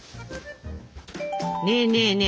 ねえねえねえ